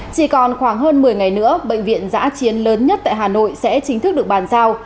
chỉ còn khoảng hơn một mươi ngày nữa bệnh viện giã chiến lớn nhất tại hà nội sẽ chính thức được bàn giao